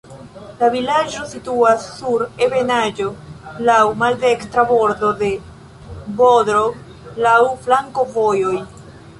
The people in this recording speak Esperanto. La vilaĝo situas sur ebenaĵo, laŭ maldekstra bordo de Bodrog, laŭ flankovojoj.